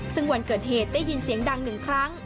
ซึ่งวันเกิดเหตุได้ยินเสียงดังหนึ่งครั้ง